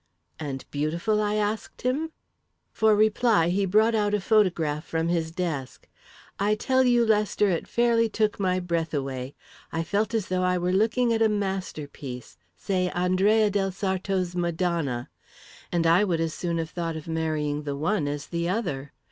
"'And beautiful?' I asked him. "For reply, he brought out a photograph from his desk. I tell you, Lester, it fairly took my breath away. I felt as though I were looking at a masterpiece say Andrea del Sarto's Madonna. And I would as soon have thought of marrying the one as the other.